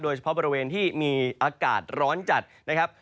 โดยเฉพาะบริเวณที่มีอากาศร้อนจัดนะครับ